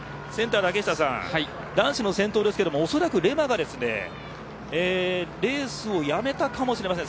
男子の先頭はおそらくレマがレースをやめたかもしれません。